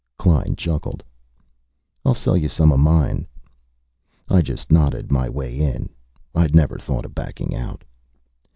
Klein chuckled. "I'll sell you some of mine." I just nodded my way in. I'd never thought of backing out.